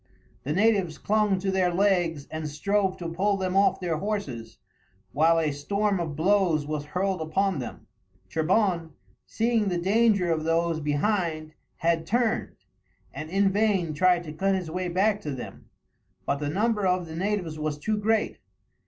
The natives clung to their legs and strove to pull them off their horses, while a storm of blows was hurled upon them. Trebon, seeing the danger of those behind, had turned, and in vain tried to cut his way back to them; but the number of the natives was too great.